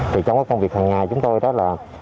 trong cái công việc hằng ngày chúng tôi đó là